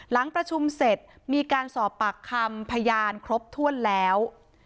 หลังประชุมเสร็จมีการสอบปากคำพยานครบถ้วนแล้ว